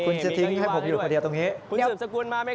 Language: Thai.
คุณจะทิ้งให้ผมอยู่ความเขตตรงนี้